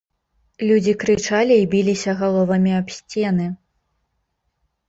Людзі крычалі і біліся галовамі аб сцены.